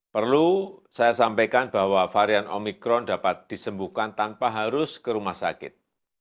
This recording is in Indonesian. perlu saya sampaikan bahwa varian omikron dapat disembuhkan tanpa harus ke rumah sakit